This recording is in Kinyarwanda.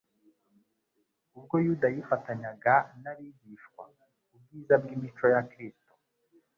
Ubwo Yuda yifatanyaga n'abigishwa, ubwiza bw'imico ya Kristo